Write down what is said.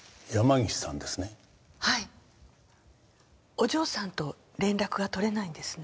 お嬢さんと連絡が取れないんですね？